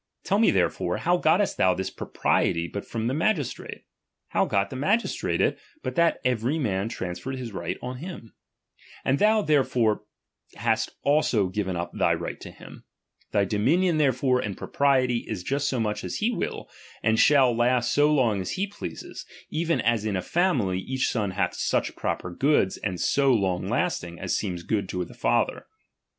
Tell me therefore, how gottest thou this praprielt/ but from the ma gistrate ? How got the magistrate it, but that every man transferred his right on him ? And thou therefore hast also given up thy right to him. Thy dominion therefore, and propriety, is just so much as he will, and shall last so long as he pleases ; even as in a family, each son hath such proper goods, and so long lasting, as seems good to the father.